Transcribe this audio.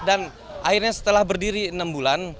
dan akhirnya setelah berdiri enam bulan